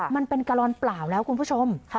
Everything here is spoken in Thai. มันเป็นกะลอนเปล่าแล้วคุณผู้ชม